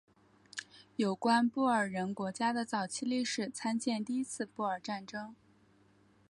有关布尔人国家的早期历史参见第一次布尔战争。